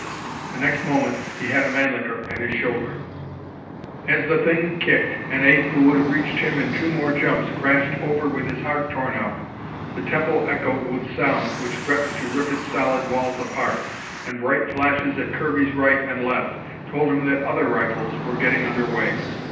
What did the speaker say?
The next moment he had a Mannlicher at his shoulder. As the thing kicked, an ape who would have reached him in two more jumps crashed over with his heart torn out, the temple echoed with sound which threatened to rip its solid walls apart, and bright flashes at Kirby's right and left told him that other rifles were getting under way.